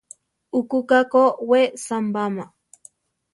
Ukuka ko we sambama.